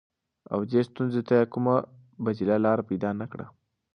او دې ستونزې ته يې کومه بديله لاره پيدا نه کړه.